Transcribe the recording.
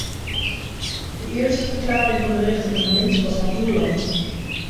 De eerste verklaring van de rechten van de mens was van uw land.